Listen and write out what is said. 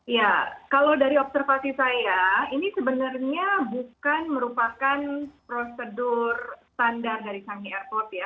ya kalau dari observasi saya ini sebenarnya bukan merupakan prosedur standar dari canggih airport ya